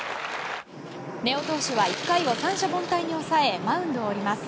根尾投手は１回を三者凡退に抑えマウンドを降ります。